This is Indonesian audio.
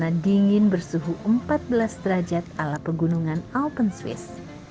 bencana dingin bersuhu empat belas derajat ala pegunungan alpen swiss